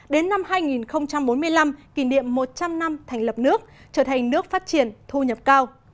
đến năm hai nghìn bốn mươi năm kỷ niệm một trăm linh năm thành lập nước trở thành nước phát triển thu nhập cao